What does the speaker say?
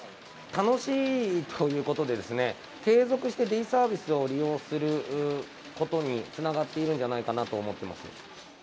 楽しいということで、継続してデイサービスを利用することにつながっているんじゃないかなと思ってます。